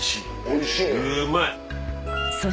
おいしいよ。